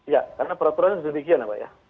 ya karena peraturan sudah begitu mbak ya